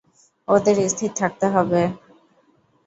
ওদের স্থির থাকতে হবে।